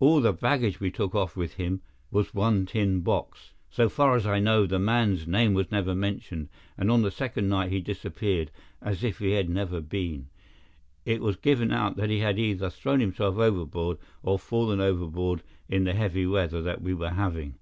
All the baggage we took off with him was one tin box. So far as I know, the man's name was never mentioned, and on the second night he disappeared as if he had never been. It was given out that he had either thrown himself overboard or fallen overboard in the heavy weather that we were having.